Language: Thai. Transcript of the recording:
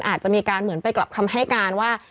อาจจะมีการเหมือนไปกลับคำให้การว่า